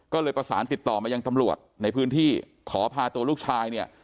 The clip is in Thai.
ก็เลยประสานติดต่อมายังตำรวจในพื้นที่ขอพาตัวลูกชายเนี่ย